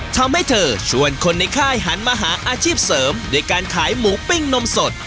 ทำให้เธอชวนคนในค่ายหันมาหาอาชีพเสริมด้วยการขายหมูปิ้งนมสด